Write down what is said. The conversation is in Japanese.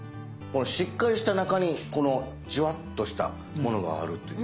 しっかりした中にこのジュワッとしたものがあるという。